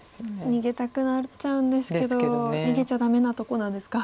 逃げたくなっちゃうんですけど逃げちゃダメなとこなんですか。